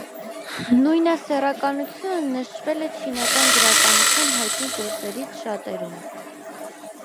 Նույնասեռականությունը նշվել է չինական գրականության հայտնի գործերից շատերում։